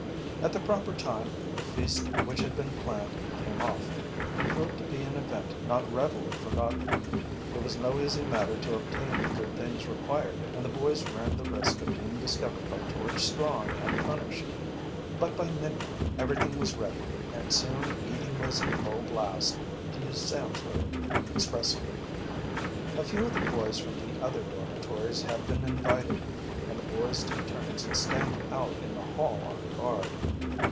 At the proper time the feast which had been planned came off, and proved to be an event not readily forgotten. It was no easy matter to obtain the good things required, and the boys ran the risk of being discovered by George Strong and punished; but by midnight everything was ready, and soon eating was "in full blast," to use Sam's way of expressing it. A few of the boys from the other dormitories had been invited, and the boys took turns in standing out in the hall on guard.